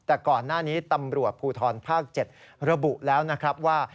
แต่ก่อนหน้านี้ตำรวจภูทรภาค๗ระบุแล้วนะครับว่า